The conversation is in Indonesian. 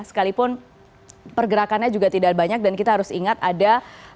sekalipun pergerakannya juga tidak banyak dan kita harus ingat ada